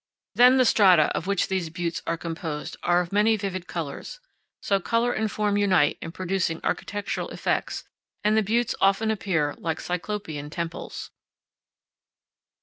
Then the strata of which these buttes are composed are of many vivid colors; so color and form unite in producing architectural effects, and the buttes often appear like Cyclopean temples.